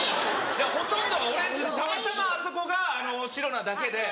ほとんどがオレンジでたまたまあそこが白なだけで。